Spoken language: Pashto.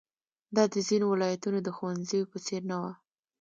دا د ځینو ولایتونو د ښوونځیو په څېر نه وه.